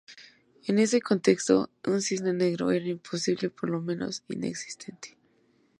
En ese contexto, un cisne negro era imposible o por lo menos inexistente.